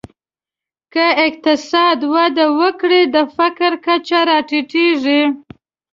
که اقتصاد وده وکړي، د فقر کچه راټیټېږي.